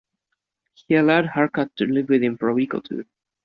He allowed Harkat to live with him for a week or two.